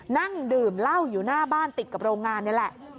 นั่งดื่มเหล้าอยู่หน้าบ้านติดกับโรงงานนี่แหละ